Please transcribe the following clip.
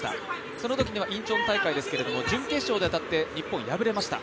そのときはインチョン大会ですが準決勝で当たって、日本敗れました。